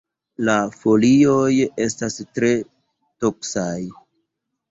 La folioj estas tre toksaj.